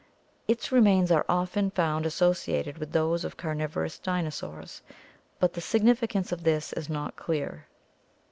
Its remains are often found associated with those of carnivorous dinosaurs, but the sig nificance of this is not clear.